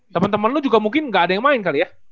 temen temen lu juga mungkin gak ada yang main kali ya